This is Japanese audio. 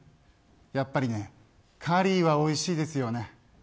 やっぱりねカリーはおいしいですよね。